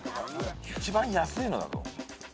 一番安いのだぞ。